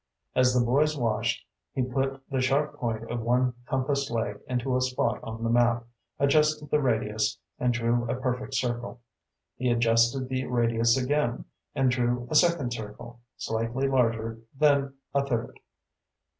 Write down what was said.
As the boys watched, he put the sharp point of one compass leg into a spot on the map, adjusted the radius, and drew a perfect circle. He adjusted the radius again, and drew a second circle, slightly larger, then a third.